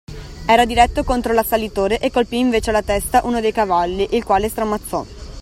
Era diretto contro l’assalitore e colpì invece alla testa uno dei cavalli, il quale stramazzò.